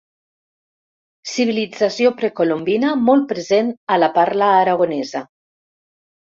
Civilització precolombina molt present a la parla aragonesa.